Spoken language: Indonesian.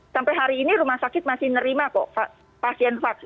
sampai hari ini rumah sakit masih nerima kok